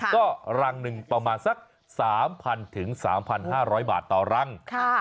ก็รังหนึ่งประมาณสัก๓๐๐๓๕๐๐บาทต่อรัง